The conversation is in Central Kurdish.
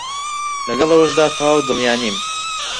لەگەڵ ئەوەشدا تەواو دڵنیا نیم